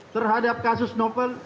terhadap kasus novel